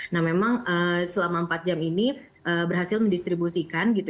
nah memang selama empat jam ini berhasil mendistribusikan gitu